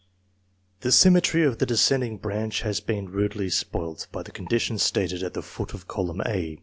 ) i The symmetry of the descending branch has been rudely spoilt by the conditions stated at the foot of column A.